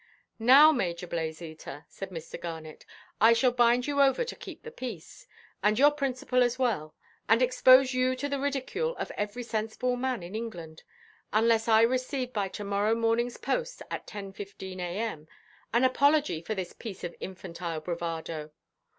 "Now, Major Blazeater," said Mr. Garnet, "I shall bind you over to keep the peace, and your principal as well, and expose you to the ridicule of every sensible man in England, unless I receive by to morrow morningʼs post at 10.15 A.M. an apology for this piece of infantile bravado.